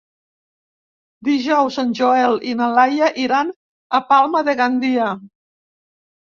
Dijous en Joel i na Laia iran a Palma de Gandia.